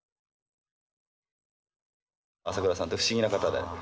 朝倉さんって不思議な方で。